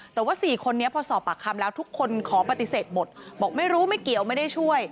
แต่ว่า๔คนนี้พอสอบปากคำแล้วทุกคนขอปฏิเสธหมดบอกไม่รู้ไม่เกี่ยวไม่ได้ช่วย